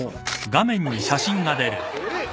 ・えっ！